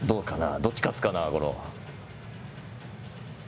どっち勝つかな、五郎。